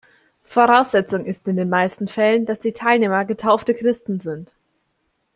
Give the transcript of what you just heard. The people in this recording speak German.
Voraussetzung ist in den meisten Fällen, dass die Teilnehmer getaufte Christen sind.